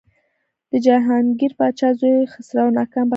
د جهانګیر پاچا زوی خسرو ناکام بغاوت وکړ.